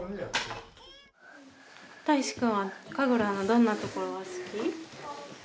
たいしくんは神楽のどんなところが好き？